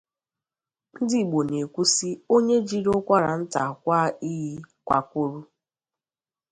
Ndị Igbo na-ekwu sị onye e jiri ụkwaranta kwàá iyi kwàkwụrụ